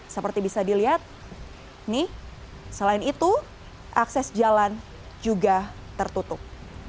seperti bisa dilihat nih selain itu akses jalan juga tertutup